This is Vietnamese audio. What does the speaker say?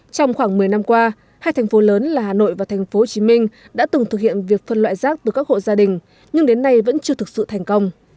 trong khoảng một mươi năm qua hai thành phố lớn là hà nội và thành phố hồ chí minh đã từng thực hiện việc phân loại rác từ các hộ gia đình nhưng đến nay vẫn chưa thực sự thành công